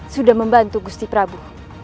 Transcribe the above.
sudah membantu gusti prabu